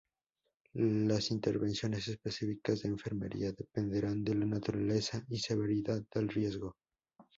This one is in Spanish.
Las intervenciones específicas de enfermería dependerán de la naturaleza y severidad del riesgo.